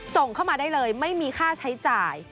ส่งเข้ามาได้เลยไม่มีค่าใช้จ่าย